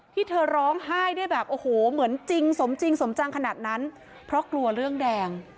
ที่เธอร้องไห้ได้แบบโอ้โหเหมือนจริงสมจริงสมจังขนาดนั้นเพราะกลัวเรื่องแดง